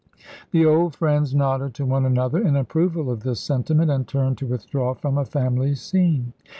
The old friends nodded to one another, in approval of this sentiment; and turned to withdraw from a family scene.